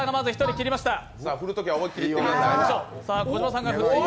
振るときは思いっきりいってください。